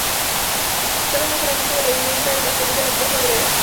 Dar un mejoramiento de la vivienda y la salud de la clase obrera.